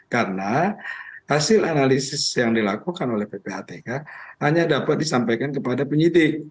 karena hasil analisis yang dilakukan oleh ppatk hanya dapat disampaikan kepada penyidik